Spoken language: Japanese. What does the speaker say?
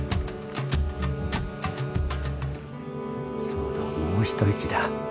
そうだもう一息だ。